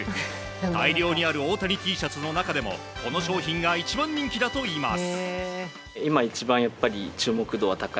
大量にある大谷Ｔシャツの中でもこの商品が一番人気だといいます。